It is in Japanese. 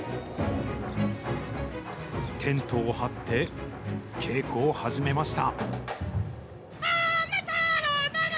テントを張って、稽古を始めました。